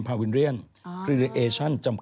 อ๋อเพงแนะนำ